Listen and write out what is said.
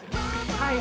はい